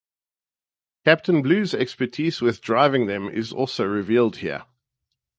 Captain Blue's expertise with driving them is also revealed here.